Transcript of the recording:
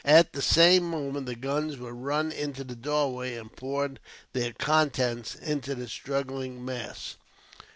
At the same moment, the guns were run into the doorway, and poured their contents into the struggling mass.